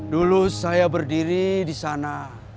dulu saya berdiri di sana